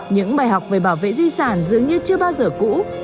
những bài học về bảo vệ di sản dường như chưa bao giờ cũ